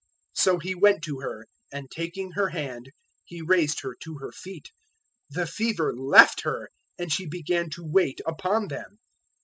001:031 So He went to her, and taking her hand He raised her to her feet: the fever left her, and she began to wait upon them.